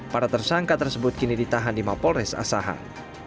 para tersangka tersebut kini ditahan di mapolres asahan